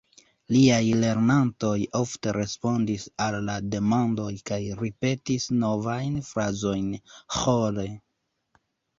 Liaj lernantoj ofte respondis al la demandoj kaj ripetis novajn frazojn ĥore.